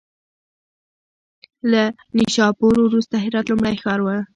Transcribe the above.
له نیشاپور وروسته هرات لومړی ښار و.